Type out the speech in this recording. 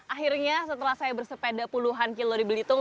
akhirnya setelah saya bersepeda puluhan kilo di belitung